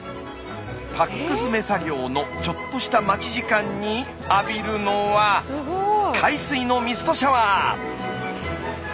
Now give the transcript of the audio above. パック詰め作業のちょっとした待ち時間に浴びるのは海水のミストシャワー！